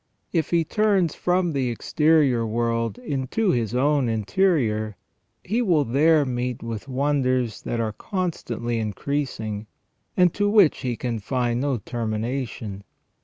If he turn from the exterior world into his own interior, he will there meet with wonders that are constantly increasing, and to which he can find no termination.